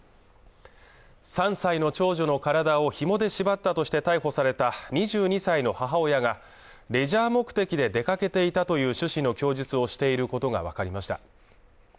３歳の長女の体をひもで縛ったとして逮捕された２２歳の母親がレジャー目的で出かけていたという趣旨の供述をしていることが分かりました